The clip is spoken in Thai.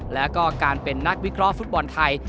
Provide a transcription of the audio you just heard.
แล้วก็การเป็นนักวิเคราะห์ฟุตบอลไทย